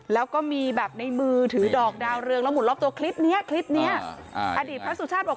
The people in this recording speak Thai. แล้วก็มีแบบในมือถือดอกดาวเรืองและหมุนรอบตัวคลิบอดีตพระสุชาติบอก